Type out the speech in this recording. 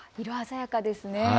色鮮やかですね。